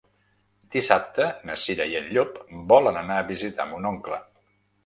Dissabte na Cira i en Llop volen anar a visitar mon oncle.